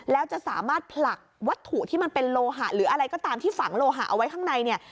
แล้วจะสามารถผลักวัตถุที่มันเป็นโลหะหรืออะไรก็ตามที่ฝังโลหะเอาไว้ข้างในเนี่ย